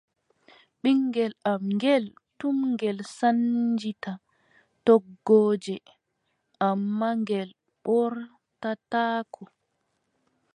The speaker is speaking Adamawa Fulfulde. Ɓiŋngel am ngeel, tum ngel sannjita toggooje, ammaa ngel ɓortataako.